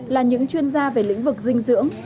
là những chuyên gia về lĩnh vực dinh dưỡng